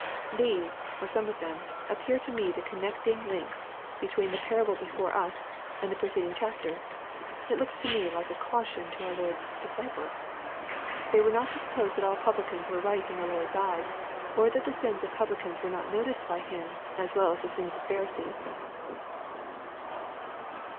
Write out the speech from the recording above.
These, or some of them, appear to me the connecting iinks be tween the parable before us, and the preceding chapter. It looks to me like a caution to our Lord's " disciples." They were not to suppose that all publicans were right in the Lord's eyes, or tliat the sins of publicans were not noticed by Him as well as the sins of Pharisees.